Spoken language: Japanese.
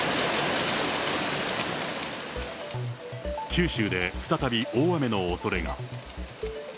九州で再び大雨のおそれが。